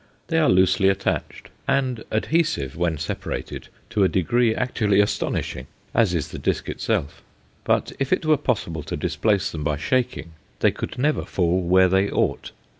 They are loosely attached and adhesive, when separated, to a degree actually astonishing, as is the disc itself; but if it were possible to displace them by shaking, they could never fall where they ought.